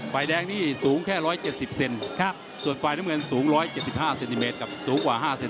ไฟแดงนี้สูงแค่๑๗๐เซนส่วนไฟน้ำเงินสูง๑๗๕เซนสูงกว่า๕เซน